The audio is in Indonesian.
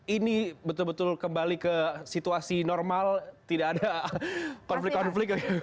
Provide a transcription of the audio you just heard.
ini betul betul kembali ke situasi normal tidak ada konflik konflik